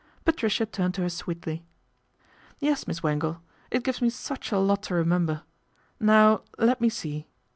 Patricia turned to her sweetly. " Yes, Miss Wangle. It gives me such a lot to remember. Now let me see."